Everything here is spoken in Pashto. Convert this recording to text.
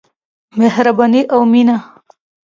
مهرباني او مينه.